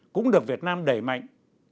cũng được việt nam đẩy mạnh